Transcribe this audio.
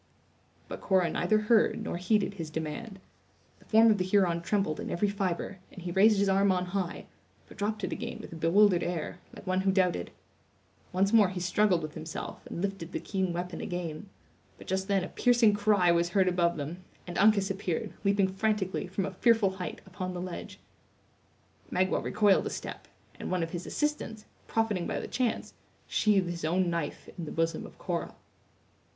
But Cora neither heard nor heeded his demand. The form of the Huron trembled in every fibre, and he raised his arm on high, but dropped it again with a bewildered air, like one who doubted. Once more he struggled with himself and lifted the keen weapon again; but just then a piercing cry was heard above them, and Uncas appeared, leaping frantically, from a fearful height, upon the ledge. Magua recoiled a step; and one of his assistants, profiting by the chance, sheathed his own knife in the bosom of Cora.